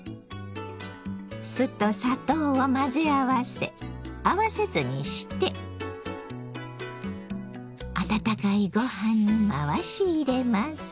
酢と砂糖を混ぜ合わせ合わせ酢にして温かいご飯に回し入れます。